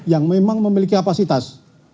yang memang memiliki kapasitas